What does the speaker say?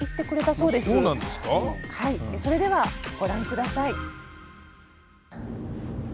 それではご覧下さい。